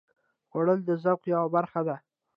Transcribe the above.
خوړل د ذوق یوه برخه ده